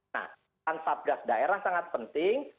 nah tansabgas daerah sangat penting